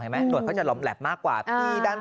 หนวดเขาจะหล่อมเเหล็บมากเกิน